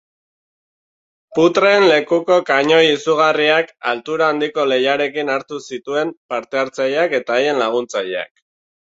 Putreen lekuko kanoi izugarriak altura handiko lehiarekin hartu zituen parte-hartzaileak eta haien laguntzaileak.